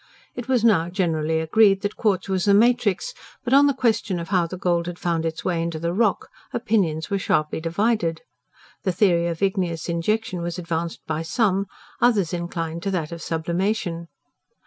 It was now generally agreed that quartz was the matrix; but on the question of how the gold had found its way into the rock, opinions were sharply divided. The theory of igneous injection was advanced by some; others inclined to that of sublimation.